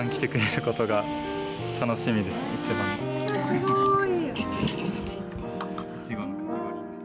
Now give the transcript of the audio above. すごい！